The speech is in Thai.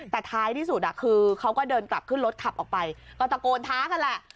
แต่ท้ายที่สุดคือเขาก็เดินกลับขึ้นรถขับออกไปก็ตะโกนท้ากันแหละ